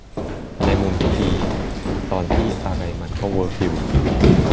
ในมุมที่ดี ตอนที่อะไรมันก็เวิร์กอยู่